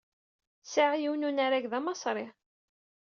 Sɛiɣ yiwen n unarag d amaṣri.